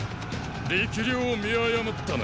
力量を見誤ったな。